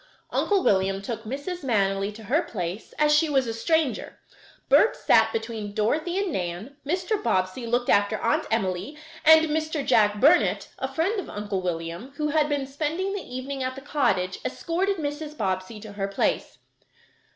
Uncle William took Mrs. Manily to her place, as she was a stranger; Bert sat between Dorothy and Nan, Mr. Bobbsey looked after Aunt Emily, and Mr. Jack Burnet, a friend of Uncle William, who had been spending the evening at the cottage, escorted Mrs. Bobbsey to her place.